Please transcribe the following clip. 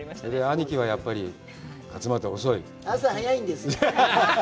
兄貴はやっぱり「勝俣遅い」「朝早いんですよ」